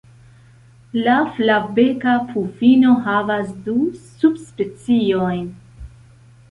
La Flavbeka pufino havas du subspeciojn.